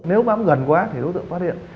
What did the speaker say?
nếu bám gần quá thì đối tượng phát hiện